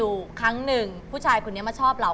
ครั้งหนึ่งผู้ชายคนนี้มาชอบเรา